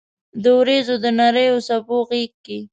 د اوریځو د نریو څپو غېږ کې